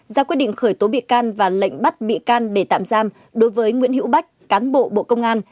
ra quyết định khởi tố bị can và lệnh bắt bị can để tạm giam đối với nguyễn hữu bách cán bộ bộ công an